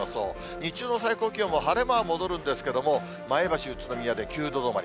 日中の最高気温も晴れ間は戻るんですけれども、前橋、宇都宮で９度止まり。